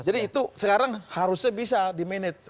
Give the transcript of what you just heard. jadi itu sekarang harusnya bisa di manage